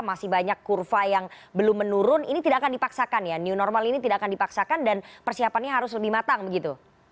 masih banyak kurva yang belum menurun ini tidak akan dipaksakan ya new normal ini tidak akan dipaksakan dan persiapannya harus lebih matang begitu